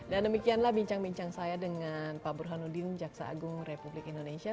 dan demikianlah bincang bincang saya dengan pak burhanuddin kejaksaan agung republik indonesia